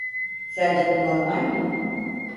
Sence bu normal mi?